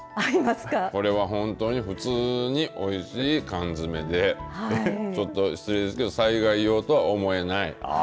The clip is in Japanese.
これは本当に普通においしい缶詰でちょっと失礼ですけど災害用とは思えない。